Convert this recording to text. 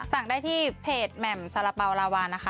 สั่งได้ที่เพจแหม่มสาระเป๋าลาวานะคะ